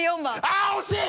あぁ惜しい！